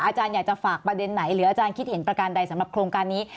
อาจารย์อยากจะฝากประเด็นไหนหรืออาจารย์คิดเห็นประการใดสำหรับโครงการนี้